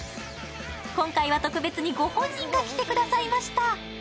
今回は特別にご本人が来てくださいました。